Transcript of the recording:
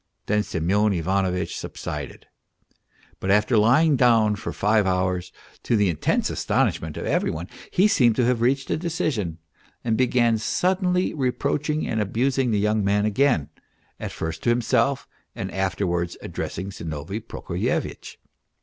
" Then Semyon Ivanovitch subsided, but after lying down for five hours, to the intense astonishment of every one he seemed to have reached a decision, and began suddenly re proaching and abusing the young man again, at first to himself and afterwards addressing Zinovy Prokofyevitch.